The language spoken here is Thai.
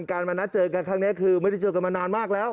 การมานัดเจอกันครั้งนี้คือไม่ได้เจอกันมานานมากแล้ว